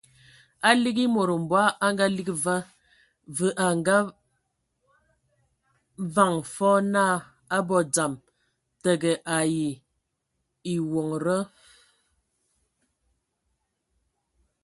A ligi e mod mbɔg a ngaligi va, və a vaŋa fɔɔ naa a abɔ dzam, təgə ai ewonda.